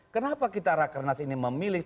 kenapa kita rakernas ini memilih